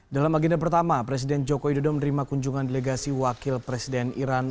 dalam agenda pertama presiden joko widodo menerima kunjungan delegasi wakil presiden iran